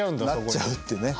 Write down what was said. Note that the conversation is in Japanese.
なっちゃうってね。